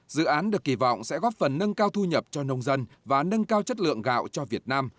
dự án được kỳ vọng sẽ góp phần nâng cao thu nhập cho nông dân và nâng cao chất lượng gạo cho việt nam